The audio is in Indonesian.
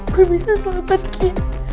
gue bisa selamat ki